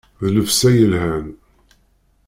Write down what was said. D llebsa yelhan.